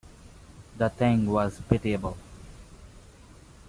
The thing was pitiable!